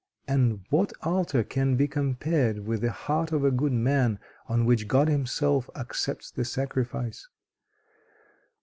And what altar can be compared with the heart of a good man, on which God Himself accepts the sacrifice?